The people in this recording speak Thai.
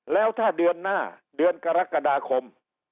แล้วถ้าเดือนหน้าเดือนกรกฎาคม